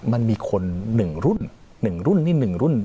มันมีคนหนึ่งรุ่นหนึ่งรุ่นนี่หนึ่งรุ่น